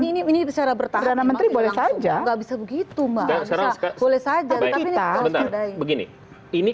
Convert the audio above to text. ini ini ini secara bertahanan menteri boleh saja nggak bisa begitu mbak boleh saja kita begini ini